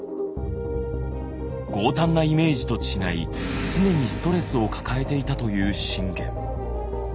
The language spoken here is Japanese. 豪胆なイメージと違い常にストレスを抱えていたという信玄。